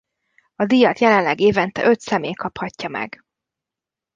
A díjat jelenleg évente öt személy kaphatja meg.